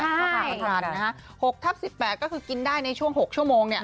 ประมาณนะฮะ๖ทับ๑๘ก็คือกินได้ในช่วง๖ชั่วโมงเนี่ย